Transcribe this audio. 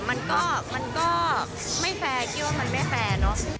มันก็ไม่แฟร์คิดว่ามันไม่แฟร์